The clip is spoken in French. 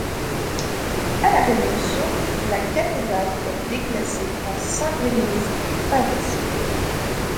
À la Révolution, la cathédrale est déclassée en simple église paroissiale.